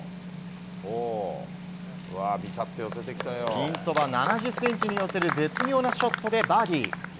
ピンそば７０ｃｍに寄せる絶妙なショットでバーディー。